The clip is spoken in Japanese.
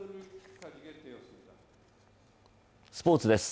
スポーツです。